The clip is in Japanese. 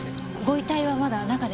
ご遺体はまだ中ですか？